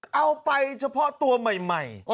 เอาไปเฉพาะตัวใหม่